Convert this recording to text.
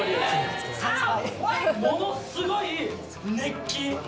ものすごい熱気。